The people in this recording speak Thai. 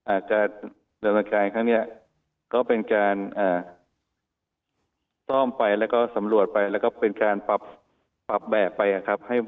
อาจจะดำเนินการครั้งนี้ก็เป็นการซ่อมไปแล้วก็สำรวจไปแล้วก็เป็นการปรับแบบไปครับ